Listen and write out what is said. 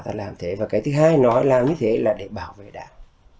ta làm thế và cái thứ hai nói làm như thế là để bảo vệ đảng